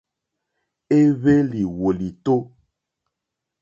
Éhwélì wòlìtó.